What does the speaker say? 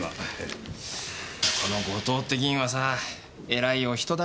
この後藤って議員はさ偉いお人だねぇ。